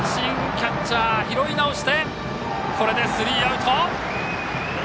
キャッチャー、拾いなおしてこれでスリーアウト。